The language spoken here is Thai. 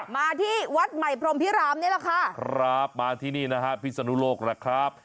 มาที่วัดใหม่พรมพิรามนี่แหละค่ะครับมาที่นี่นะฮะพิศนุโลกล่ะครับ